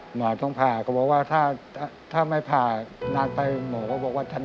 หมอต้องผ่าก็บอกว่าถ้าไม่ผ่านานไปหมอก็บอกว่าทัน